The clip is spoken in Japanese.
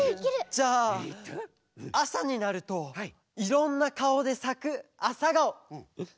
じゃああさになるといろんなかおでさくアサガオ。